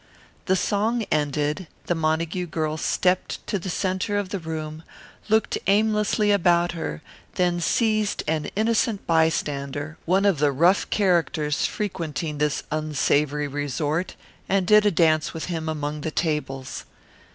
The song ended, the Montague girl stepped to the centre of the room, looked aimlessly about her, then seized an innocent bystander, one of the rough characters frequenting this unsavoury resort, and did a dance with him among the tables.